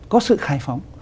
có sự khai phóng